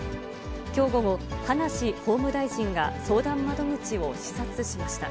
きょう午後、葉梨法務大臣が相談窓口を視察しました。